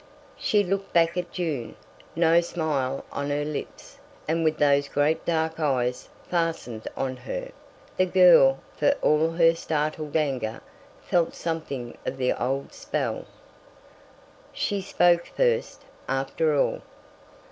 She looked back at June, no smile on her lips; and with those great dark eyes fastened on her, the girl, for all her startled anger, felt something of the old spell. She spoke first, after all.